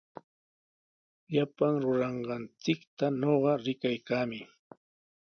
Llapan ruranqaykita ñuqa rikaykaami.